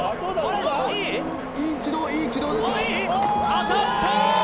当たった！